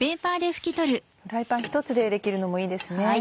フライパン１つでできるのもいいですね。